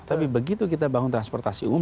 tapi begitu kita bangun transportasi umum